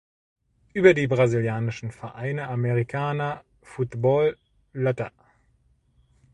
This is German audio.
Über die brasilianischen Vereine Americana Futebol Ltda.